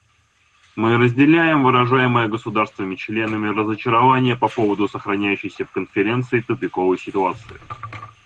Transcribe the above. Мы разделяем выражаемое государствами-членами разочарование по поводу сохраняющейся в Конференции тупиковой ситуации.